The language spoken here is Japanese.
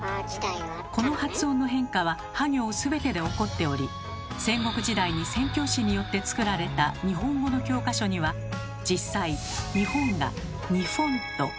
この発音の変化は「は行」全てで起こっており戦国時代に宣教師によって作られた日本語の教科書には実際「にほん」が「にふぉん」と書かれています。